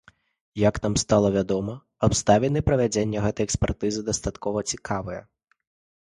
Як нам стала вядома, абставіны правядзення гэтай экспертызы дастаткова цікавыя.